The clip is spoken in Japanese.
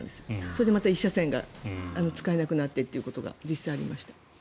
それでまた１車線が使えなくなってということが実際にありました。